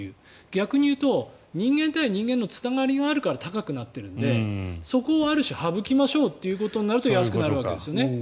逆に言うと人間対人間のつながりがあるから高くなっているのでそこをある種省きましょうということになると安くなるわけですね。